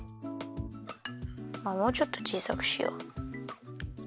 もうちょっとちいさくしよう。